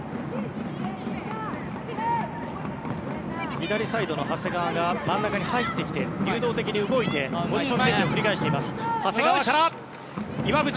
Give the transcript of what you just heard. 左サイドの長谷川が真ん中に入ってきて流動的に動いてポジション移動を繰り返しています。